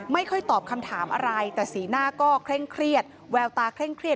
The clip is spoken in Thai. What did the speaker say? ไม่ค่อยตอบคำถามอะไรแต่สีหน้าก็เคร่งเครียดแววตาเคร่งเครียด